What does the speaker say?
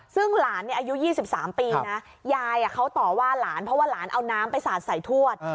ซึ่งหลานอายุ๒๓ปีนะยายเขาต่อว่าหลานเพราะว่าหลานเอาน้ำไปสาดใส่ทวด